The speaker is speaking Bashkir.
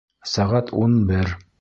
Сәғәт ун бер!